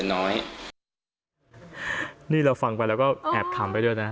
นี่เราฟังไปแล้วก็แอบทำไปด้วยนะ